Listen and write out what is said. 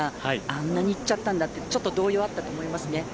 あんなにいっちゃったんだと動揺があったと思います。